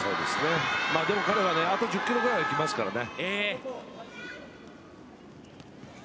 でも彼はあと１０キロくらい出ますからね。